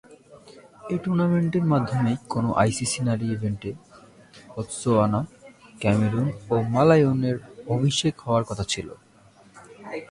এ টুর্নামেন্টের মাধ্যমেই কোনও আইসিসি নারী ইভেন্টে বতসোয়ানা, ক্যামেরুন ও মালাউই-এর অভিষেক হওয়ার কথা ছিল।